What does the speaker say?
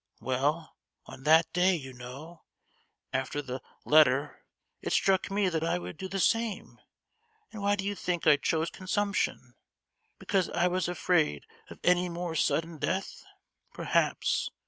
Well, on that day, you know, after the letter, it struck me that I would do the same; and why do you think I chose consumption? Because I was afraid of any more sudden death? Perhaps.